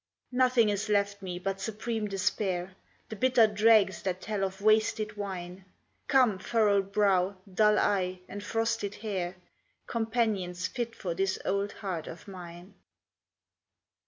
Nothing is left me, but supreme despair; The bitter dregs that tell of wasted wine. Come furrowed brow, dull eye, and frosted hair, Companions fit for this old heart of mine.